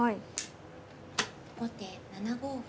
後手７五歩。